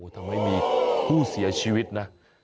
ทำให้มีผู้เสียชีวิตนะ